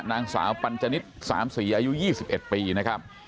นางสาวปัญจนิตสามสี่อายุยี่สิบเอ็ดปีนะครับ